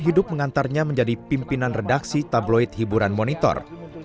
hidup mengantarnya menjadi pimpinan redaksi tabloid hiburan monitor